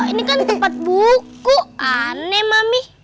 ini kan tempat buku aneh mami